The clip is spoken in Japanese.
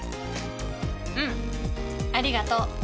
うんありがとう。